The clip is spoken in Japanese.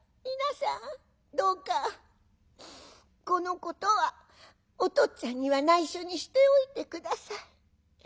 「皆さんどうかこのことはおとっつぁんにはないしょにしておいて下さい。